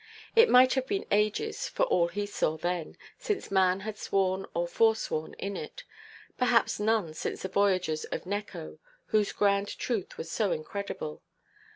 It might have been ages, for all he saw then, since man had sworn or forsworn in it; perhaps none since the voyagers of Necho, whose grand truth was so incredible.